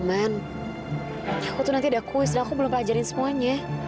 aku tuh nanti ada quiz dan aku belum ajarin semuanya